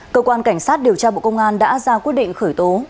cơ quan cảnh sát điều tra bộ công an đã ra quyết định khởi tố